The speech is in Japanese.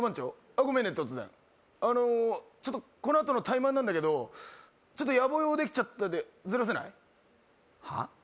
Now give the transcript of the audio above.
ゴメンね突然あのちょっとこのあとのタイマンなんだけどちょっとやぼ用できちゃったんでずらせない？はあ？